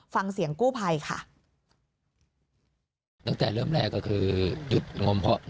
ฟังเสียงกู้ภัยค่ะ